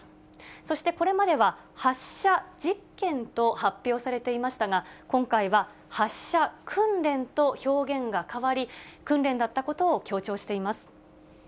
そしてこれまでは発射実験と発表されていましたが、今回は発射訓練と表現が変わり、訓練だったことを強調しています。